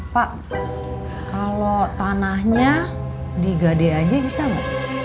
pak kalo tanahnya digade aja bisa ma